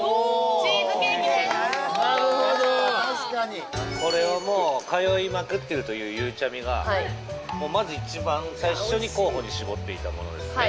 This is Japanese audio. なるほど確かにこれはもう通いまくっているというゆうちゃみがまず一番最初に候補に絞っていたものですね